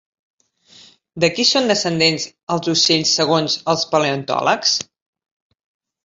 De qui són descendents els ocells segons els paleontòlegs?